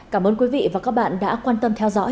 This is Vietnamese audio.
cảm ơn quý vị và các bạn đã quan tâm